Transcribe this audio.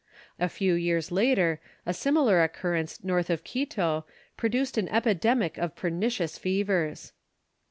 A few years later, a similar occurrence north of Quito produced an epidemic of pernicious fevers.